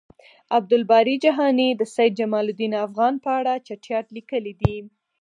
عبد الباری جهانی د سید جمالدین افغان په اړه چټیات لیکلی دی